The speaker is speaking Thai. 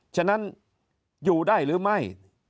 ฉะนั้นอยู่ได้หรือไม่